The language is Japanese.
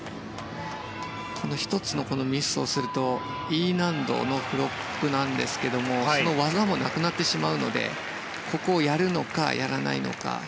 １つのミスをするとＥ難度のフロップなんですがその技もなくなってしまうのでここをやるのかやらないのか。